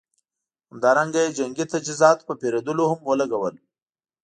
همدارنګه یې جنګي تجهیزاتو په پېرودلو هم ولګول.